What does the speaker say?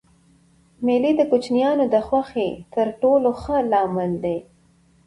مېلې د کوچنيانو د خوښۍ تر ټولو ښه لامل دئ.